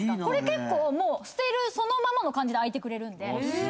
これ捨てるそのままの感じで開いてくれるんで。